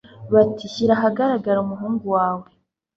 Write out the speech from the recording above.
bati shyira ahagaragara umuhungu wawe